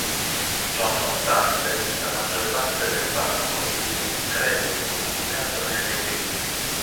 Ciononostante, la maggior parte del farmaco viene escreto immodificato nelle urine.